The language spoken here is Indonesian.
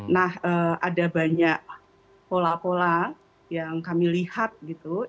nah ada banyak pola pola yang kami lihat gitu